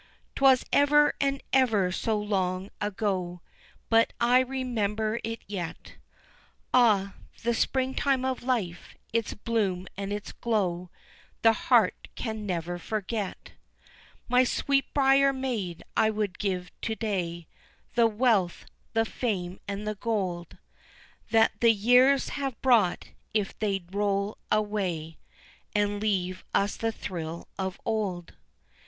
'Twas ever and ever so long ago, But I remember it yet, Ah, the springtime of life, its bloom and its glow, The heart can never forget, My sweetbriar maid I would give to day, The wealth, the fame and the gold That the years have brought, if they'd roll away, And leave us the thrill of old.